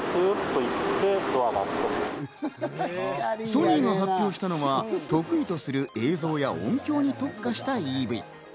ソニーが発表したのは得意とする映像や音響に特化したＥＶ。